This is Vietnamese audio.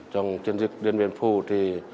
trong chiến dịch địa biên phủ thì